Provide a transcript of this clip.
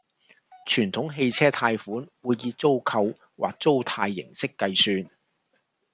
傳統汽車貸款會以租購或租貸形式計算